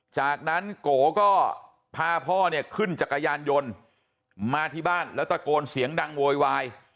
จากนั้นโกก็พาพ่อเนี่ยขึ้นจักรยานยนต์มาที่บ้านแล้วตะโกนเสียงดังโวยวาย